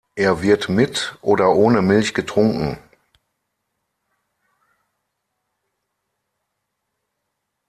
Er wird mit oder ohne Milch getrunken.